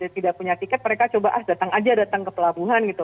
tidak punya tiket mereka coba ah datang aja datang ke pelabuhan gitu